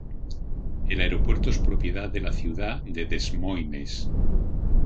El aeropuerto es propiedad de la ciudad de Des Moines.